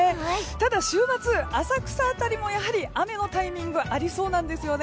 ただ週末浅草辺りもやはり雨のタイミングがありそうです。